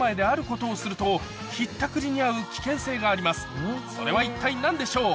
ここでそれは一体何でしょう？